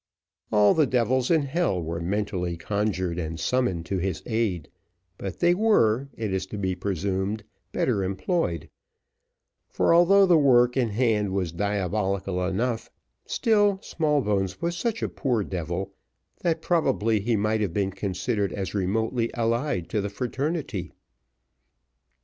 All the devils in hell were mentally conjured and summoned to his aid, but they were, it is to be presumed, better employed, for although the work in hand was diabolical enough, still, Smallbones was such a poor devil, that probably he might have been considered as remotely allied to the fraternity.